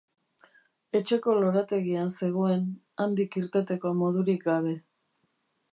Etxeko lorategian zegoen, handik irteteko modurik gabe.